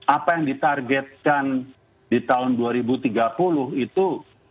apa yang ditargetkan di tahun dua ribu tiga puluh itu